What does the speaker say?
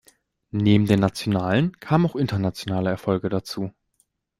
Neben den nationalen kamen auch internationale Erfolge dazu.